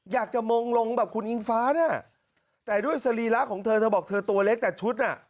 อยากจะมงลงแบบคุณอิงฟ้าน่ะแต่ด้วยสรีระของเธอเธอบอกเธอตัวเล็กแต่ชุดน่ะ